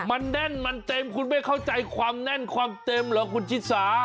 มันแน่นมันเต็มคุณไม่เข้าใจความแน่นความเต็มเหรอคุณชิสา